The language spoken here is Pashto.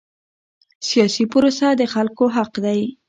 سیاسي پروسه د خلکو حق دی